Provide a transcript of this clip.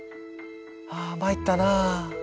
「あ参ったな。